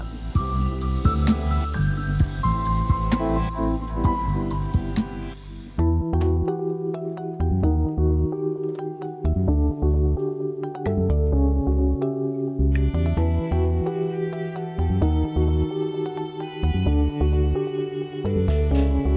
nah dalam apa